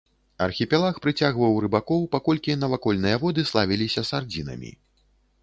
Архіпелаг прыцягваў рыбакоў, паколькі навакольныя воды славіліся сардзінамі.